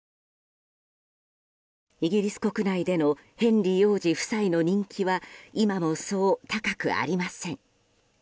イギリス国内でのヘンリー王子夫妻の人気は今もそう高くありません。